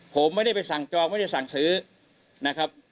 ผมไม่ได้ไปสั่งจองไม่ได้สั่งซื้อนะครับ